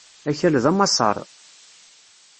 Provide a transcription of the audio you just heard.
Akal d amassaṛ.